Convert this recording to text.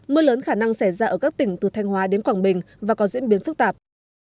mưa lớn khả năng xảy ra ở các tỉnh từ thanh hóa đến quảng bình và có diễn biến phức tạp